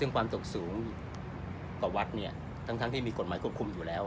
ความตกสูงต่อวัดเนี่ยทั้งที่มีกฎหมายควบคุมอยู่แล้ว